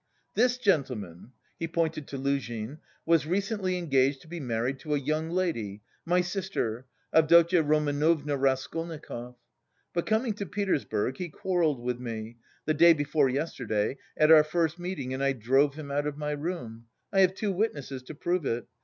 This gentleman (he pointed to Luzhin) was recently engaged to be married to a young lady my sister, Avdotya Romanovna Raskolnikov. But coming to Petersburg he quarrelled with me, the day before yesterday, at our first meeting and I drove him out of my room I have two witnesses to prove it.